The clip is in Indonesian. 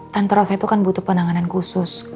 tante rosa itu kan butuh penanganan khusus